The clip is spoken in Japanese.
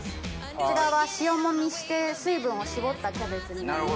こちらは塩もみして水分を絞ったキャベツになります。